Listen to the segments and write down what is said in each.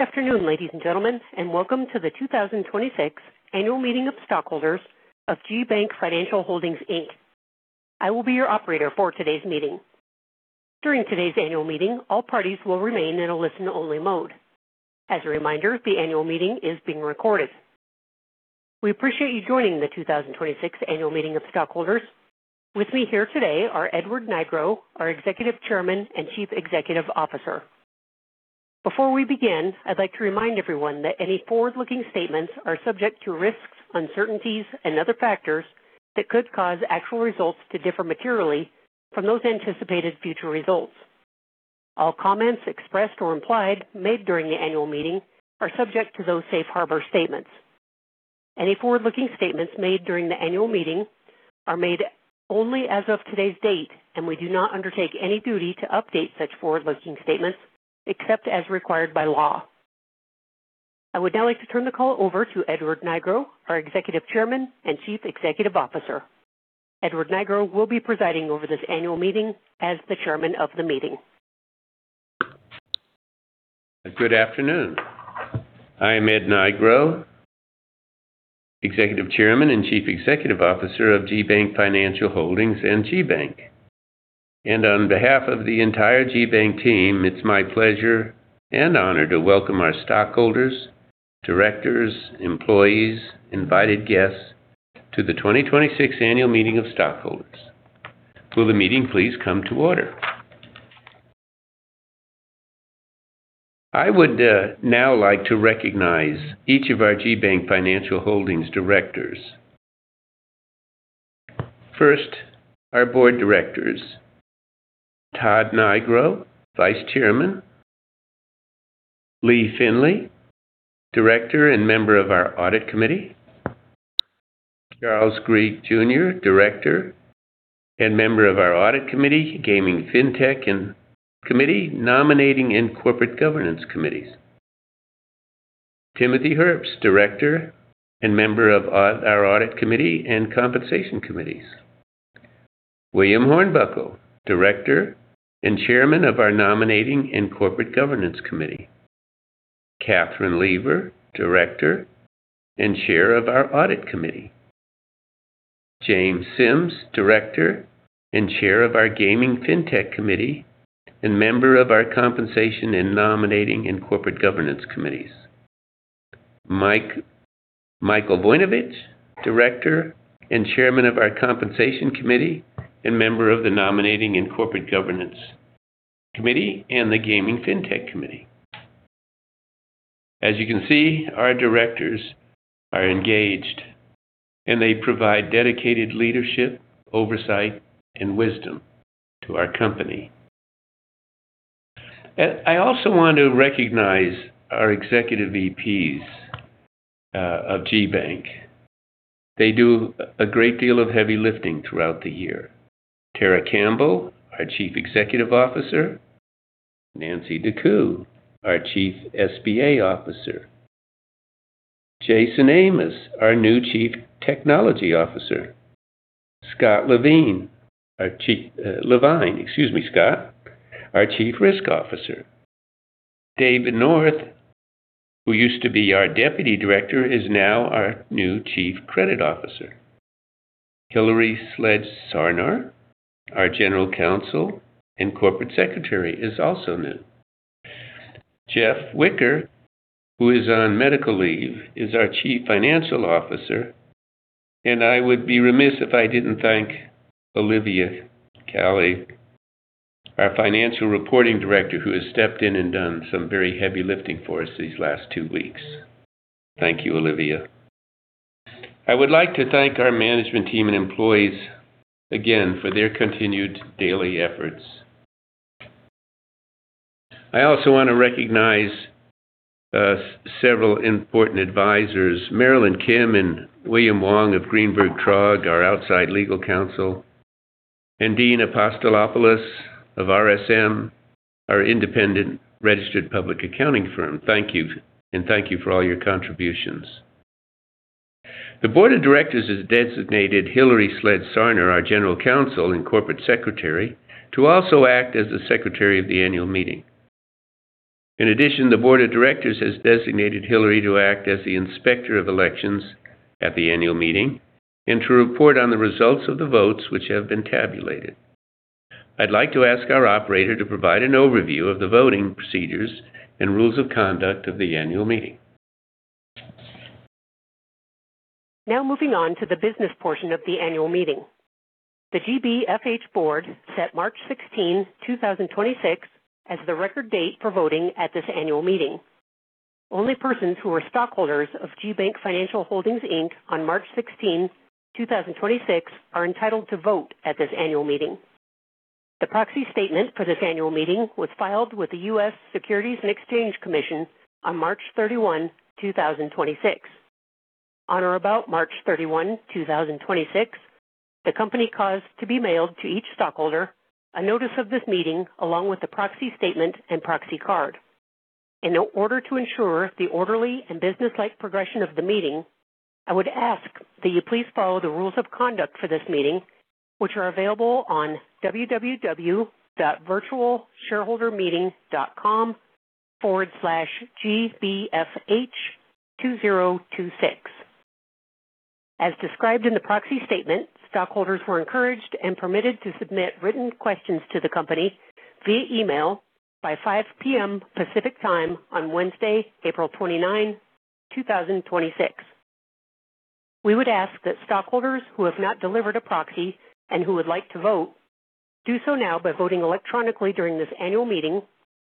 Good afternoon, ladies and gentlemen, and welcome to the 2026 Annual Meeting of Stockholders of GBank Financial Holdings, Inc. I will be your operator for today's meeting. During today's Annual Meeting, all parties will remain in a listen-only mode. As a reminder, the Annual Meeting is being recorded. We appreciate you joining the 2026 Annual Meeting of Stockholders. With me here today are Edward M. Nigro, our Executive Chairman and Chief Executive Officer. Before we begin, I'd like to remind everyone that any forward-looking statements are subject to risks, uncertainties and other factors that could cause actual results to differ materially from those anticipated future results. All comments expressed or implied made during the Annual Meeting are subject to those safe harbor statements. Any forward-looking statements made during the Annual Meeting are made only as of today's date, and we do not undertake any duty to update such forward-looking statements except as required by law. I would now like to turn the call over to Edward Nigro, our Executive Chairman and Chief Executive Officer. Edward Nigro will be presiding over this Annual Meeting as the Chairman of the Meeting. Good afternoon. I am Ed Nigro, Executive Chairman and Chief Executive Officer of GBank Financial Holdings and GBank. On behalf of the entire GBank team, it's my pleasure and honor to welcome our stockholders, directors, employees, invited guests to the 2026 Annual Meeting of Stockholders. Will the meeting please come to order? I would now like to recognize each of our GBank Financial Holdings directors. First, our board directors. Todd Nigro, Vice Chairman. Lee Finley, Director and member of our Audit Committee, Charles W. Griege, Jr., Director and member of our Audit Committee, Gaming FinTech and Committee Nominating and Corporate Governance Committee. Timothy Herbs, Director and member of our Audit Committee and Compensation Committee. William Hornbuckle, Director and Chairman of our Nominating and Corporate Governance Committee. Kathryn Lever., Director and Chair of our Audit Committee. James Sims, Director and Chair of our Gaming FinTech Committee, and member of our Compensation and Nominating and Corporate Governance Committees. Michael Voinovich, Director and Chairman of our Compensation Committee, and member of the Nominating and Corporate Governance Committee and the Gaming FinTech Committee. As you can see, our directors are engaged, and they provide dedicated leadership, oversight, and wisdom to our company. I also want to recognize our executive VPs of GBank. They do a great deal of heavy lifting throughout the year. Tara Campbell, our Chief Executive Officer, Nancy DeCou, our Chief SBA Officer, Jason Amos, our new Chief Technology Officer. Scot Levine, our Chief Risk Officer. David North, who used to be our Deputy Director, is now our new Chief Credit Officer. Hilary Sledge-Sarnor, our General Counsel and Corporate Secretary, is also new. Jeff Wicker, who is on medical leave, is our Chief Financial Officer, and I would be remiss if I didn't thank Olivia Kelly, our Financial Reporting Director, who has stepped in and done some very heavy lifting for us these last two weeks. Thank you, Olivia. I would like to thank our management team and employees again for their continued daily efforts. I also want to recognize several important advisors, Marilyn Kim and William Wong of Greenberg Traurig, our outside legal counsel, and Dean Apostolopoulos of RSM, our independent registered public accounting firm. Thank you, and thank you for all your contributions. The Board of Directors has designated Hilary R. Sledge-Sarnor, our Executive Vice President, General Counsel and Corporate Secretary, to also act as the Secretary of the annual meeting. In addition, the Board of Directors has designated Hilary to act as the Inspector of Elections at the annual meeting and to report on the results of the votes which have been tabulated. I'd like to ask our operator to provide an overview of the voting procedures and rules of conduct of the annual meeting. Moving on to the business portion of the Annual Meeting. The GBFH Board set March 16, 2026 as the record date for voting at this Annual Meeting. Only persons who were stockholders of GBank Financial Holdings, Inc. on March 16, 2026 are entitled to vote at this Annual Meeting. The proxy statement for this Annual Meeting was filed with the U.S. Securities and Exchange Commission on March 31, 2026. On or about March 31, 2026, the company caused to be mailed to each stockholder a notice of this meeting, along with the proxy statement and proxy card. In order to ensure the orderly and businesslike progression of the meeting, I would ask that you please follow the rules of conduct for this meeting, which are available on www.virtualshareholdermeeting.com/gbfh2026. As described in the proxy statement, stockholders were encouraged and permitted to submit written questions to the company via email by 5:00 P.M. Pacific Time on Wednesday, April 29, 2026. We would ask that stockholders who have not delivered a proxy and who would like to vote do so now by voting electronically during this Annual Meeting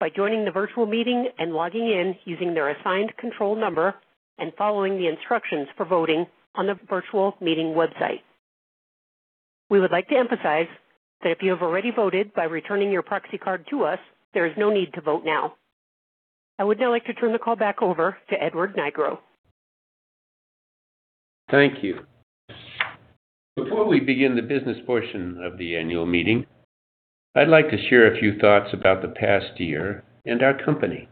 by joining the virtual meeting and logging in using their assigned control number and following the instructions for voting on the virtual meeting website. We would like to emphasize that if you have already voted by returning your proxy card to us, there is no need to vote now. I would now like to turn the call back over to Edward Nigro. Thank you. Before we begin the business portion of the Annual Meeting, I'd like to share a few thoughts about the past year and our company.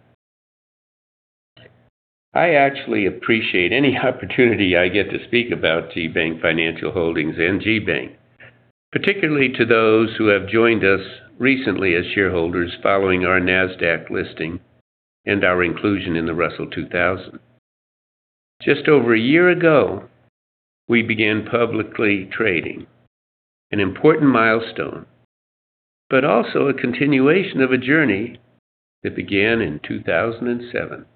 I actually appreciate any opportunity I get to speak about GBank Financial Holdings and GBank, particularly to those who have joined us recently as shareholders following our Nasdaq listing and our inclusion in the Russell 2000. Just over a year ago, we began publicly trading, an important milestone, but also a continuation of a journey that began in 2007.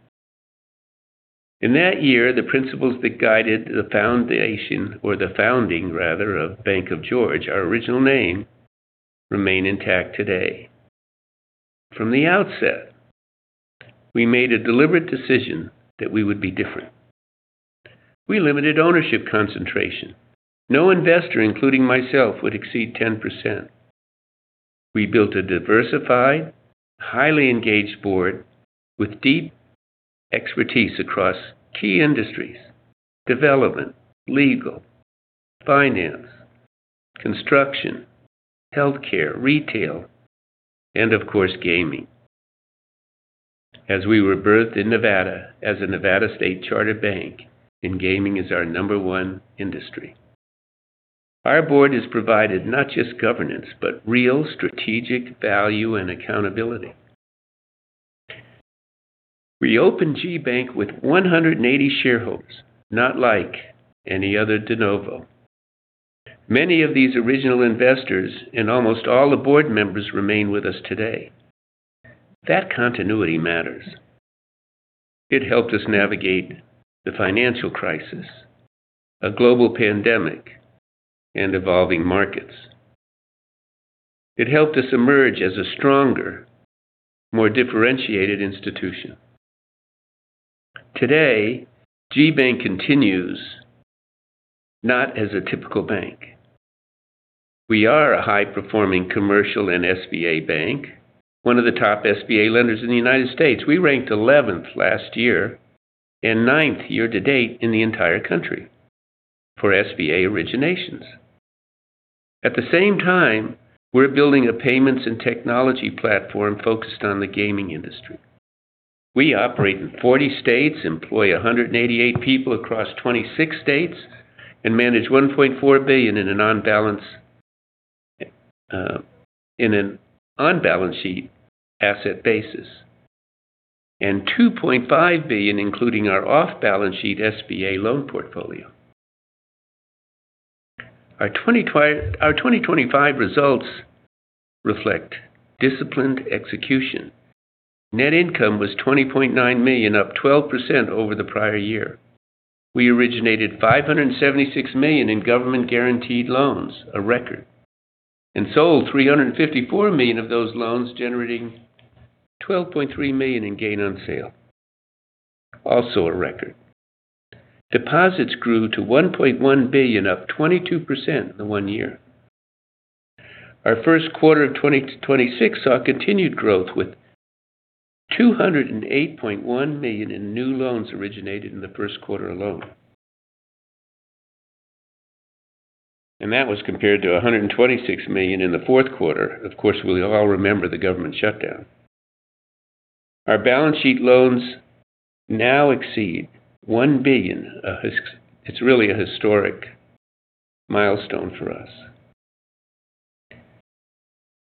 In that year, the principles that guided the foundation or the founding rather of Bank of George, our original name, remain intact today. From the outset, we made a deliberate decision that we would be different. We limited ownership concentration. No investor, including myself, would exceed 10%. We built a diversified, highly engaged Board with deep expertise across key industries, development, legal, finance, construction, healthcare, retail, and of course, gaming as we were birthed in Nevada as a Nevada state-chartered bank and gaming is our number one industry. Our Board has provided not just governance, but real strategic value and accountability. We opened GBank with 180 shareholders, not like any other de novo. Many of these original investors and almost all the board members remain with us today. That continuity matters. It helped us navigate the financial crisis, a global pandemic, and evolving markets. It helped us emerge as a stronger, more differentiated institution. Today, GBank continues not as a typical bank. We are a high-performing commercial and SBA bank, one of the top SBA lenders in the U.S. We ranked 11th last year and ninth year to date in the entire country for SBA originations. At the same time, we're building a payments and technology platform focused on the gaming industry. We operate in 40 states, employ 188 people across 26 states, and manage $1.4 billion in an on-balance sheet asset basis and $2.5 billion including our off-balance sheet SBA loan portfolio. Our 2025 results reflect disciplined execution. Net income was $20.9 million, up 12% over the prior year. We originated $576 million in government-guaranteed loans, a record, and sold $354 million of those loans generating $12.3 million in gain on sale, also a record. Deposits grew to $1.1 billion, up 22% in the one year. Our first quarter of 2026 saw continued growth with $208.1 million in new loans originated in the first quarter alone. That was compared to $126 million in the fourth quarter. Of course, we all remember the government shutdown. Our balance sheet loans now exceed $1 billion. It's really a historic milestone for us.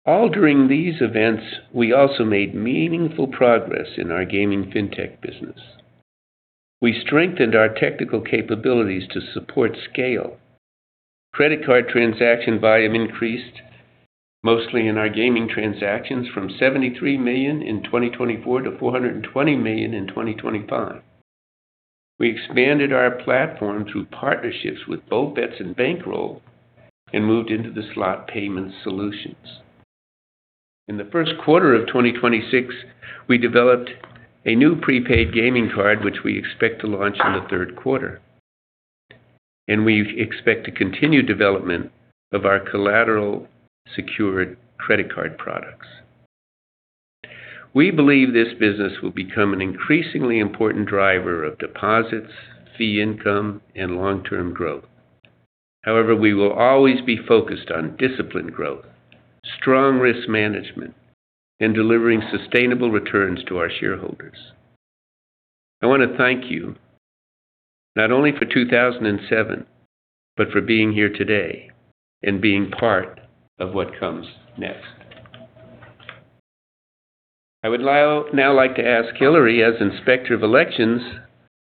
All during these events, we also made meaningful progress in our Gaming FinTech business. We strengthened our technical capabilities to support scale. Credit card transaction volume increased mostly in our gaming transactions from $73 million in 2024 to $420 million in 2025. We expanded our platform through partnerships with BoltBetz and Bankroll and moved into the slot payment solutions. In the first quarter of 2026, we developed a new prepaid gaming card which we expect to launch in the third quarter, and we expect to continue development of our collateral secured credit card products. We believe this business will become an increasingly important driver of deposits, fee income, and long-term growth. However, we will always be focused on disciplined growth, strong risk management, and delivering sustainable returns to our shareholders. I wanna thank you not only for 2007, but for being here today and being part of what comes next. I would now like to ask Hilary, as Inspector of Elections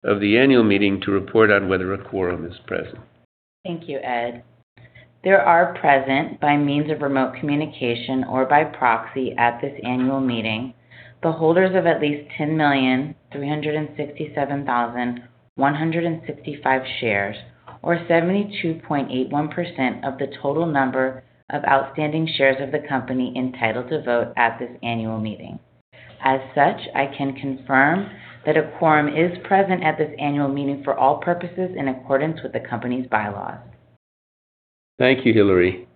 of the Annual Meeting, to report on whether a quorum is present. Thank you, Ed. There are present by means of remote communication or by proxy at this Annual Meeting the holders of at least 10,367,165 shares, or 72.81% of the total number of outstanding shares of the company entitled to vote at this Annual Meeting. As such, I can confirm that a quorum is present at this Annual Meeting for all purposes in accordance with the company's bylaws. Thank you, Hilary.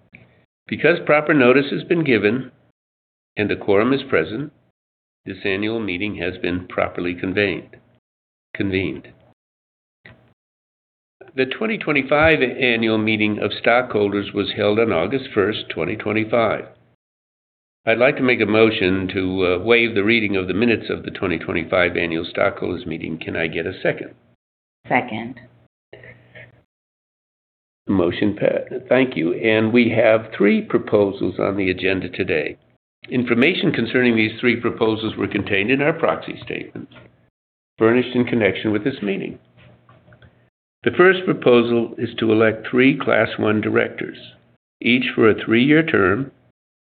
Because proper notice has been given and a quorum is present, this Annual Meeting has been properly convened. The 2025 Annual Meeting of Stockholders was held on August 1st, 2025. I'd like to make a motion to waive the reading of the minutes of the 2025 Annual Stockholders Meeting. Can I get a second? Second. Motion thank you. We have three proposals on the agenda today. Information concerning these three proposals were contained in our proxy statements furnished in connection with this meeting. The 1st proposal is to elect three Class 1 directors, each for a three-year term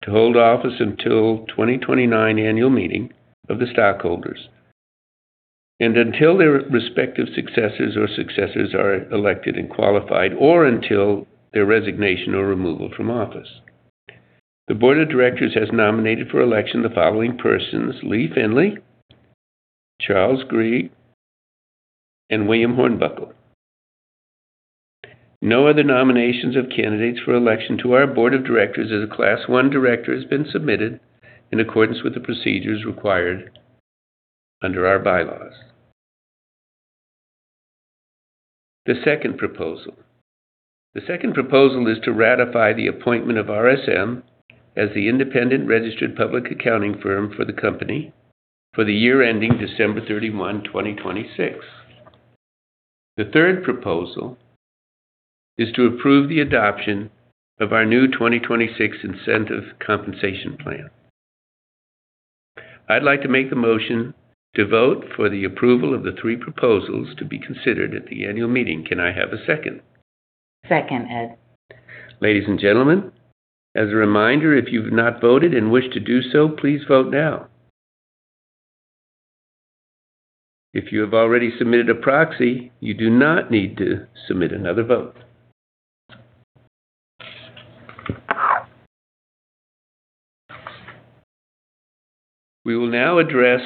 to hold office until 2029 annual meeting of the stockholders and until their respective successors are elected and qualified, or until their resignation or removal from office. The Board of Directors has nominated for election the following persons: A. Lee Finley, Charles W. Griege, Jr., and William J. Hornbuckle. No other nominations of candidates for election to our Board of Directors as a Class 1 director has been submitted in accordance with the procedures required under our bylaws. The second proposal. The second proposal is to ratify the appointment of RSM as the independent registered public accounting firm for the company for the year ending December 31, 2026. The third proposal is to approve the adoption of our new 2026 Incentive Compensation Plan. I'd like to make a motion to vote for the approval of the three proposals to be considered at the Annual Meeting. Can I have a second? Second, Ed. Ladies and gentlemen, as a reminder, if you've not voted and wish to do so, please vote now. If you have already submitted a proxy, you do not need to submit another vote. We will now address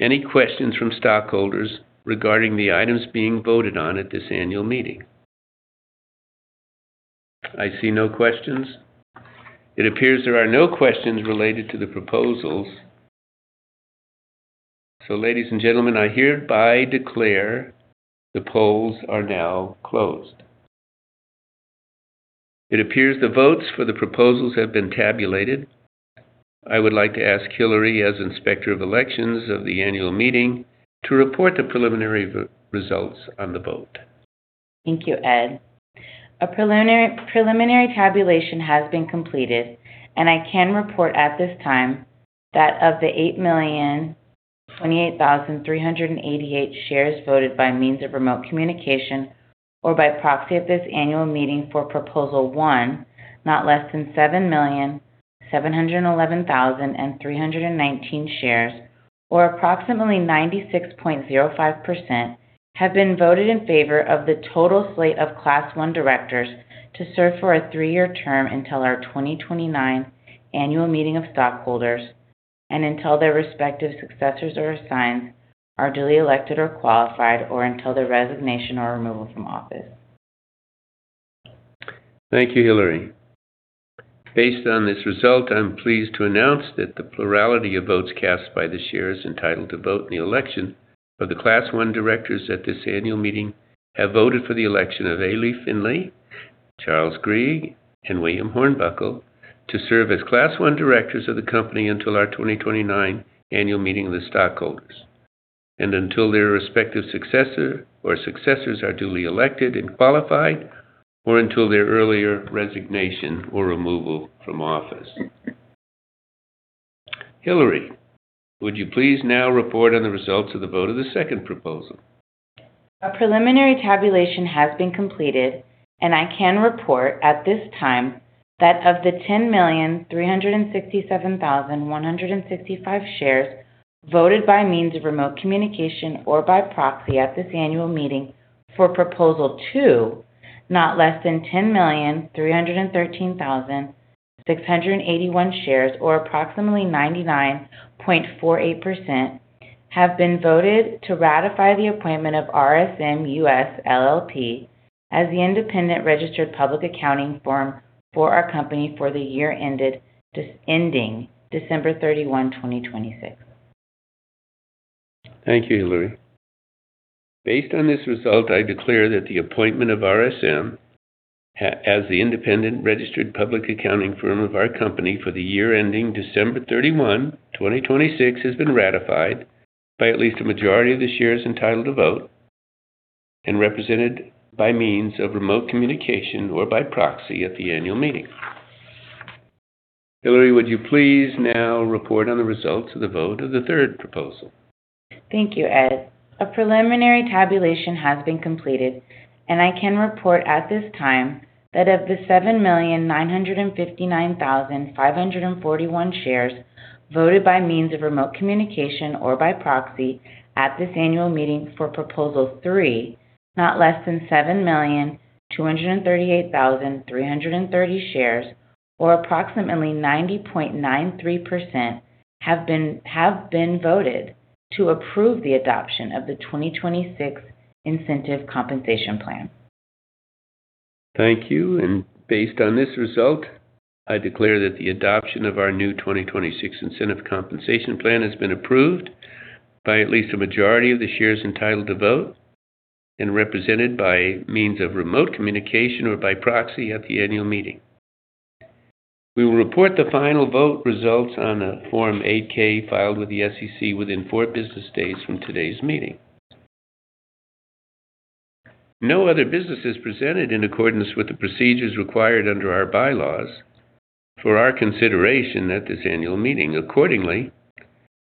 any questions from stockholders regarding the items being voted on at this annual meeting. I see no questions. It appears there are no questions related to the proposals. Ladies and gentlemen, I hereby declare the polls are now closed. It appears the votes for the proposals have been tabulated. I would like to ask Hilary, as Inspector of Elections of the annual meeting, to report the preliminary re-results on the vote. Thank you, Ed. A preliminary tabulation has been completed, and I can report at this time that of the 8,028,388 shares voted by means of remote communication or by proxy at this annual meeting for Proposal 1, not less than 7,711,319 shares, or approximately 96.05%, have been voted in favor of the total slate of Class One directors to serve for a three-year term until our 2029 Annual Meeting of Stockholders and until their respective successors or assigns are duly elected or qualified, or until their resignation or removal from office. Thank you, Hilary. Based on this result, I'm pleased to announce that the plurality of votes cast by the shares entitled to vote in the election of the Class 1 directors at this Annual Meeting have voted for the election of A. Lee Finley, Charles W. Griege, Jr., and William J. Hornbuckle to serve as Class 1 directors of the company until our 2029 Annual Meeting of the stockholders and until their respective successor or successors are duly elected and qualified, or until their earlier resignation or removal from office. Hilary, would you please now report on the results of the vote of the second proposal? A preliminary tabulation has been completed, and I can report at this time that of the 10,367,155 shares voted by means of remote communication or by proxy at this Annual Meeting for Proposal 2, not less than 10,313,681 shares, or approximately 99.48%, have been voted to ratify the appointment of RSM US LLP as the independent registered public accounting firm for our company for the year ending December 31, 2026. Thank you, Hilary. Based on this result, I declare that the appointment of RSM as the independent registered public accounting firm of our company for the year ending December 31, 2026, has been ratified by at least a majority of the shares entitled to vote and represented by means of remote communication or by proxy at the annual meeting. Hilary, would you please now report on the results of the vote of the third proposal? Thank you, Ed. A preliminary tabulation has been completed. I can report at this time that of the 7,959,541 shares voted by means of remote communication or by proxy at this annual meeting for Proposal 3, not less than 7,238,330 shares, or approximately 90.93% have been voted to approve the adoption of the 2026 Incentive Compensation Plan. Thank you. Based on this result, I declare that the adoption of our new 2026 Incentive Compensation Plan has been approved by at least a majority of the shares entitled to vote and represented by means of remote communication or by proxy at the annual meeting. We will report the final vote results on a Form 8-K filed with the SEC within four business days from today's meeting. No other business is presented in accordance with the procedures required under our bylaws for our consideration at this Annual Meeting. Accordingly,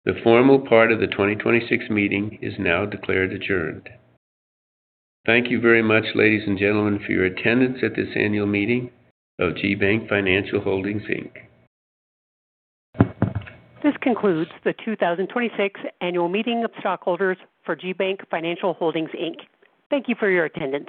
the formal part of the 2026 meeting is now declared adjourned. Thank you very much, ladies and gentlemen, for your attendance at this Annual Meeting of GBank Financial Holdings, Inc. This concludes the 2026 annual meeting of stockholders for GBank Financial Holdings, Inc. Thank you for your attendance.